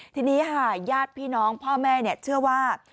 ทีนี้ค่ะญาติพี่น้องพ่อแม่เชื่อว่า